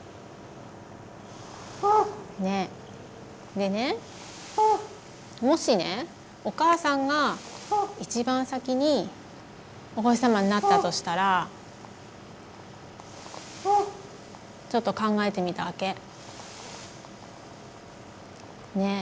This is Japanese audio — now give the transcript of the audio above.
でねもしねお母さんが一番先にお星さまになったとしたらちょっと考えてみたわけ。ね。